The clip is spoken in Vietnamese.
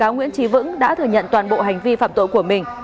nguyễn trí vững đã thừa nhận toàn bộ hành vi phạm tội của mình